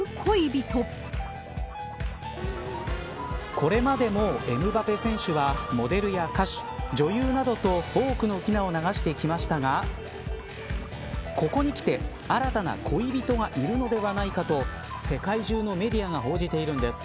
これまでもエムバペ選手はモデルや歌手、女優などと多くの浮名を流してきましたがここにきて、新たな恋人がいるのではないかと世界中のメディアが報じているんです。